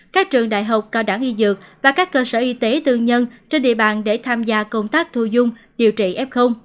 các trường đại học cao đẳng y dược và các cơ sở y tế tư nhân trên địa bàn để tham gia công tác thu dung điều trị f